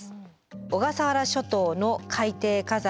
小笠原諸島の海底火山